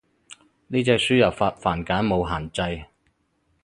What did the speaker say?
呢隻輸入法繁簡冇限制